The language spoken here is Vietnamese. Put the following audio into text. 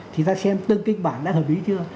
thì ta xem từng kịch bản đã hợp lý chưa